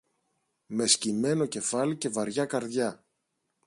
Με σκυμμένο κεφάλι και βαριά καρδιά